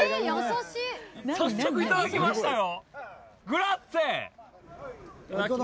早速いただきましたよ